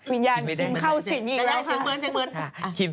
มิญญาณชิงเข้าสิงอีกแล้วค่ะ